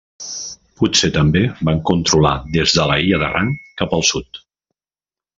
Potser també van controlar des de l'illa d'Arran cap al sud.